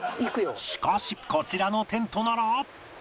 しかしこちらのテントなら